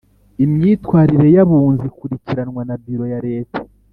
Imyitwarire y Abunzi ikurikiranwa na Biro ya leta